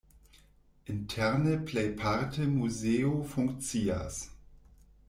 Interne plejparte muzeo funkcias.